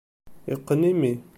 Iqqen imi.